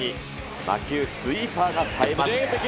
魔球、スイーパーがさえます。